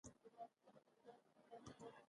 د شپې ناوخته